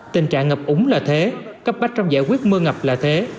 tình trạng ngập úng là thế cấp bách trong giải quyết mưa ngập là thế